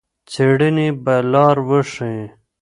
څېړنې به لار وښيي.